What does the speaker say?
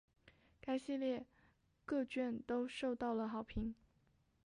该系列各卷都受到了好评。